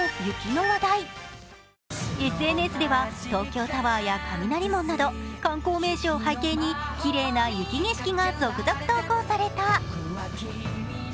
ＳＮＳでは東京タワーや雷門など観光名所を背景にきれいな雪景色が続々投稿された。